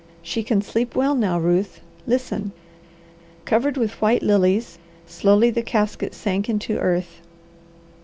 She can sleep well now, Ruth. Listen!" Covered with white lilies, slowly the casket sank into earth.